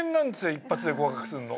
一発で合格すんの。